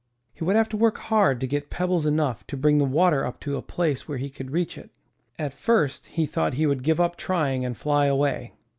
He would have to work hard to get pebbles enough to bring the water up to a place where he could reach it. At first he thought he would give up trying and fly away.